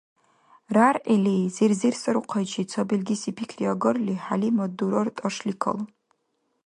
РяргӀили зерзерсарухъайчи ца белгиси пикри агарли, ХӀялимат дурар тӀашли калун.